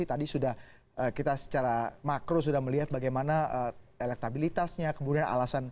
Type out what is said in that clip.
tadi sudah kita secara makro sudah melihat bagaimana elektabilitasnya kemudian alasan